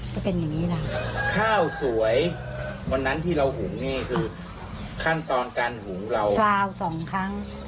ข้าวสวยวันนั้นที่เราหุงคือขั้นตอนการหุงเราสาวสองครั้ง